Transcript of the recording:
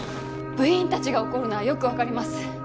部員たちが怒るのはよくわかります。